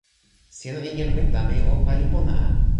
sina en jan Wetame o pali pona a!